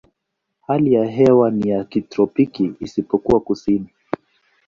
Hali ya hewa ni ya kitropiki isipokuwa kusini.